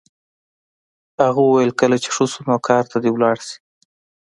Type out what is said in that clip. هغه وویل کله چې ښه شو نو کار ته دې لاړ شي